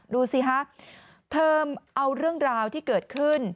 ดูสิฮะเธอเอาเรื่องราวที่เกิดขึ้น